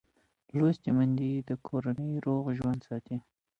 لوستې میندې د کورنۍ روغ ژوند ساتي.